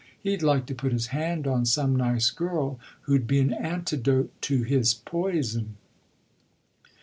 He'd like to put his hand on some nice girl who'd be an antidote to his poison."